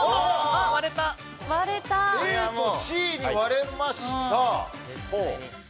ＡとＣに割れました。